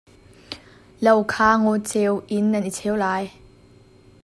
Lo kha ngawceo in nan i cheu lai.